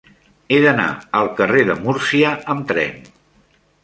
He d'anar al carrer de Múrcia amb tren.